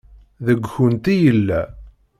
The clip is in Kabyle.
Deg-kent i yella.